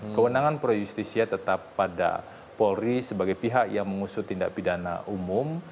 kewenangan pro justisia tetap pada polri sebagai pihak yang mengusut tindak pidana umum